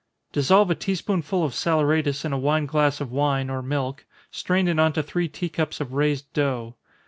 _ Dissolve a tea spoonful of saleratus in a wine glass of wine, or milk strain it on to three tea cups of raised dough.